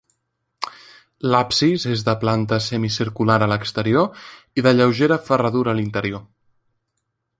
L'absis és de planta semicircular a l'exterior i de lleugera ferradura a l'interior.